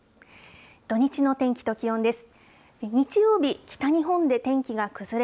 土日の天気と気温です。